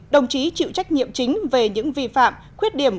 đồng chí chịu trách nhiệm chính về những vi phạm khuyết điểm